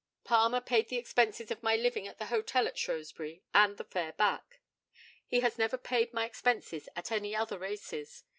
Palmer paid the expenses of my living at the hotel at Shrewsbury, and the fare back. He has never paid my expenses at any other races.